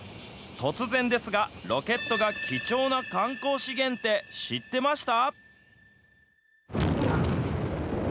突然ですが、ロケットが貴重な観光資源って知ってました？